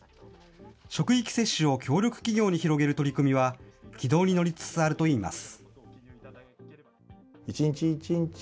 職域接種を協力企業に広げる取り組みは、軌道に乗りつつあるといいます。